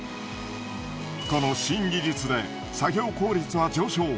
この新技術で作業効率は上昇。